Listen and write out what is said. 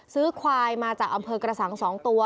ซื้อควายมาจากอำเภอกระสัง๒ตัว